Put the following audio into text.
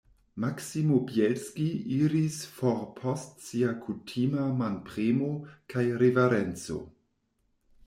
Maksimo Bjelski iris for post sia kutima manpremo kaj riverenco.